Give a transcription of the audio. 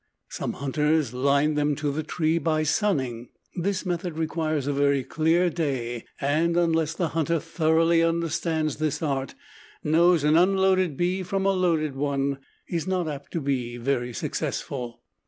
Some hunters line them to the tree by sunning. This method requires a very clear day and unless the hunter thoroughly understands this art, knows an unloaded bee from a loaded one, he is not apt to be very successful.